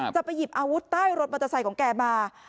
จะไปหยิบอาวุธใต้รถมัตตาไสของแกมา